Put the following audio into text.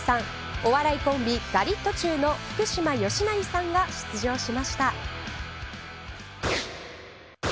お笑いコンビ、ガリットチュウの福島善成さんが出場しました。